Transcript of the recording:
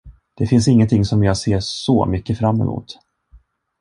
Det finns ingenting som jag ser så mycket fram emot.